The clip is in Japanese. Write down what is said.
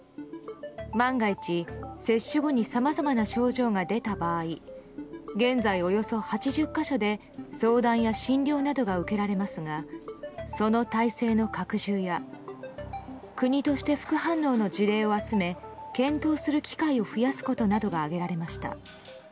万が一、接種後にさまざまな症状が出た場合現在およそ８０か所で相談や診療などが受けられますがその体制の拡充や国として副反応の事例を集め検討する機会を増やすことなどが挙げられました。